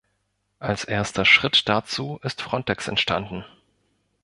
Als erster Schritt dazu ist Frontex entstanden.